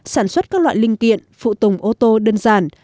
sản xuất các loại linh kiện phụ tùng ô tô đơn giản